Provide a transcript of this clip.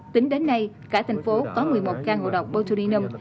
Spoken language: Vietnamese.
tính đến nay cả thành phố có một mươi một căn ngộ độc botulinum